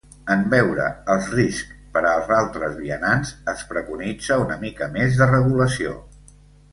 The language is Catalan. En veure els riscs per als altres vianants, es preconitza una mica més de regulació.